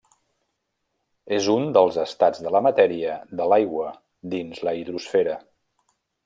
És un dels estats de la matèria de l'aigua dins la hidrosfera.